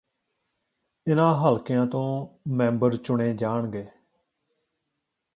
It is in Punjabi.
ਇਨ੍ਹਾਂ ਹਲਕਿਆਂ ਤੋਂ ਮੈਂਬਰ ਚੁਣੇ ਜਾਣਗੇ